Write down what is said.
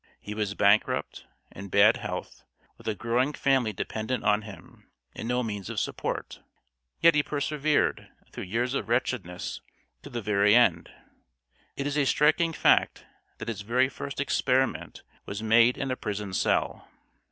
He was bankrupt, in bad health, with a growing family dependent on him, and no means of support. Yet he persevered, through years of wretchedness, to the very end. It is a striking fact that his very first experiment was made in a prison cell.